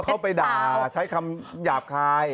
เข้าไปด่าใช้คำหยาบคาย